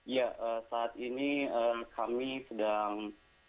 ya saat ini kami sedang